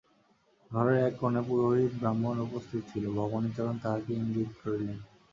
ঘরের এক কোণে পুরোহিত ব্রাহ্মণ উপস্থিত ছিল, ভবানীচরণ তাহাকে ইঙ্গিত করিলেন।